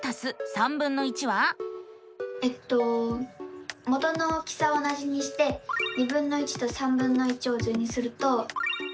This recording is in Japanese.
えっと元の大きさは同じにしてとを図にすると。